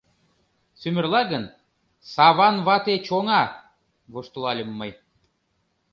— Сӱмырла гын, Саван вате чоҥа! — воштылальым мый.